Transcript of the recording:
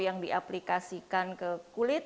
yang diaplikasikan ke kulit